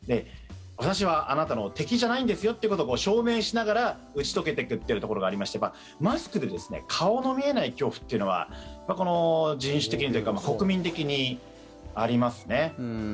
私はあなたの敵じゃないんですよってことを証明しながら打ち解けていくっていうところがありましてマスクで顔の見えない恐怖というのは人種的というか国民的にありますね。